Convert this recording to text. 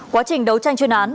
quá trình đấu tranh chuyên án